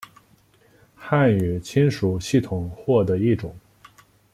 汉语亲属系统或的一种。